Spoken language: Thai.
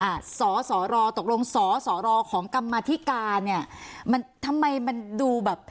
อ่ะสอสอรอตกลงสอสอรอของกรรมธิการเนี้ยมันทำไมมันดูแบบ